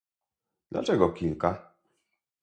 Dlaczego kilka?